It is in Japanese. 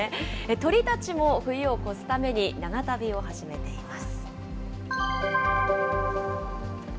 鳥たちも冬を越すために、長旅を始めています。